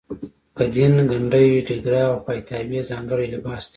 ګدین ګنډۍ ډیګره او پایتاوې ځانګړی لباس دی.